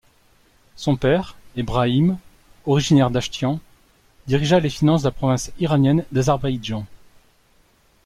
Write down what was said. Son père, Ebrahim, originaire d’Ashtian, dirigea les finances de la province iranienne d’Azerbaïdjan.